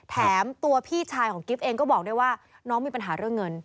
แถมตัวพี่ชายของกิฟต์เองก็บอกด้วยว่าน้องมีปัญหาเรื่องเงิน